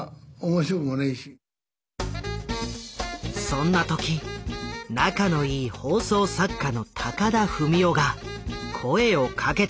そんな時仲のいい放送作家の高田文夫が声をかけてきた。